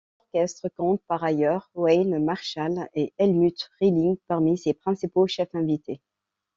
L’orchestre compte par ailleurs Wayne Marshall et Helmut Rilling parmi ses principaux chefs invités.